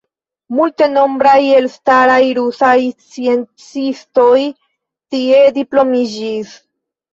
Multenombraj elstaraj rusaj sciencistoj tie diplomiĝis.